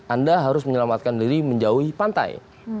anda harus menyelamatkan diri menjauhi pantai